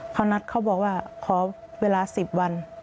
เขานัดเขาบอกว่าขอเวลา๑๐วัน